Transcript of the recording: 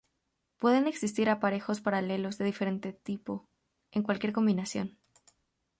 Pueden existir aparejos paralelos de diferente tipo, en cualquier combinación.